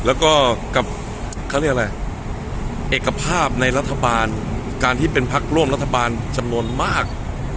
เอกภาพในรัฐบาลการที่เป็นภักด์ร่วมรัฐบาลจำนวนมาก